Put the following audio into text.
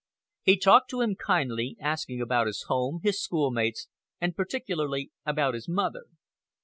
He talked to him kindly, asking about his home, his schoolmates, and particularly about his mother.